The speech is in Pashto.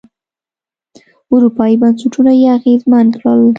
اروپايي بنسټونه یې اغېزمن کړل.